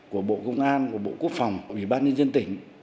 của bộ công an của bộ quốc phòng ủy ban nhân dân tỉnh